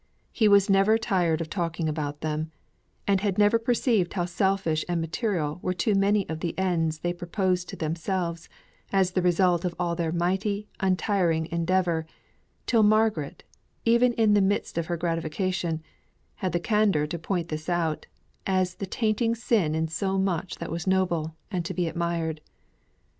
He was never tired of talking about them; and had never perceived how selfish and material were too many of the ends they proposed to themselves as the result of all their mighty, untiring endeavour, till Margaret, even in the midst of her gratification, had the candour to point this out, as the tainting sin in so much that was noble and to be admired.